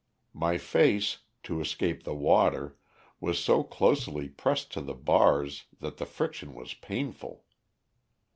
My face, to escape the water, was so closely pressed to the bars that the friction was painful.